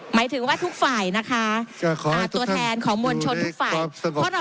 หมายถึงว่าทุกฝ่ายนะคะตัวแทนของมวลชนทุกฝ่าย